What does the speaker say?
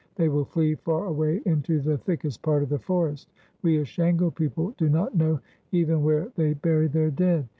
They will flee far away into the thickest part of the forest. We Ashango people do not know even where they bury their dead.